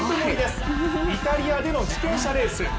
イタリアでの自転車レース。